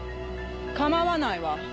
構わないわ。